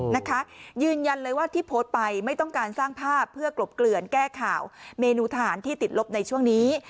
นะคะยืนยันเลยว่าที่โพสต์ไปไม่ต้องการสร้างภาพเพื่อกลบเกลื่อนแก้ข่าวเมนูทหารที่ติดลบในช่วงนี้